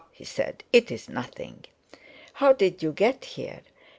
he said, "it's nothing. How did you get here?